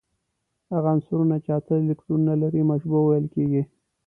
هغه عنصرونه چې اته الکترونونه لري مشبوع ویل کیږي.